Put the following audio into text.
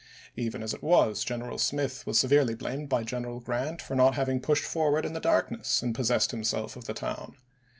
Even as it was, General Smith was severely blamed by General Grant for not having pushed forward in the dark ness and possessed himself of the town.